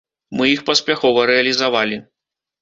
Мы іх паспяхова рэалізавалі.